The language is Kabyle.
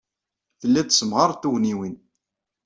Tellid tessemɣared tugniwin.